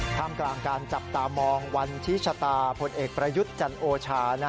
ท่ามกลางการจับตามองวันชี้ชะตาพลเอกประยุทธ์จันโอชา